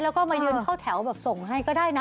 แล้วก็มายืนเข้าแถวแบบส่งให้ก็ได้นะ